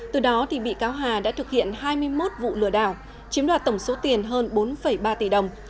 từ đó bị cáo hà đã thực hiện hai mươi một vụ lừa đảo chiếm đoạt tổng số tiền hơn bốn ba tỷ đồng